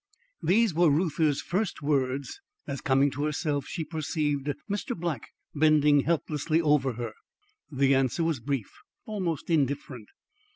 These were Reuther's first words, as, coming to herself, she perceived Mr. Black bending helplessly over her. The answer was brief, almost indifferent.